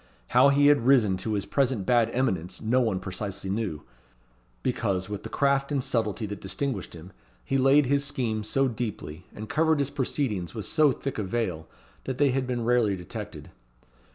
How he had risen to his present bad eminence no one precisely knew; because, with the craft and subtlety that distinguished him, he laid his schemes so deeply, and covered his proceedings with so thick a veil, that they had been rarely detected.